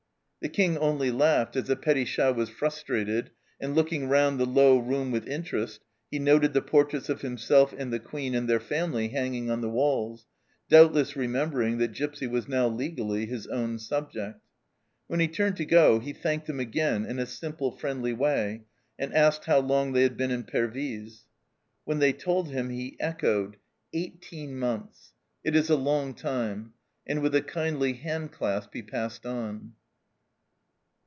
The King only laughed as the petit chat was frustrated, and looking round the low room with interest, he noted the portraits of himself and the Queen and their family hanging on the walls, doubtless remembering that Gipsy was now legally his own subject. When he turned to go he thanked them again in a simple, friendly way, and asked how long they had been in Pervyse. When they told him, he echoed, " Eighteen ENTER ROMANCE 265 months ! It is a long time," and with a kindly hand clasp he passed on.